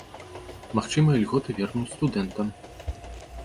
Магчыма, ільготы вернуць студэнтам.